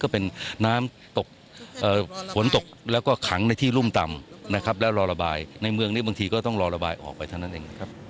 ก็เป็นน้ำตกฝนตกแล้วก็ขังในที่รุ่มต่ำนะครับแล้วรอระบายในเมืองนี้บางทีก็ต้องรอระบายออกไปเท่านั้นเองนะครับ